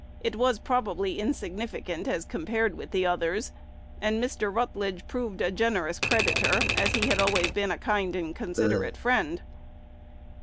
It was probably insignificant as compared with the others; and Mr. Rutledge proved a generous creditor, as he had always been a kind and considerate friend.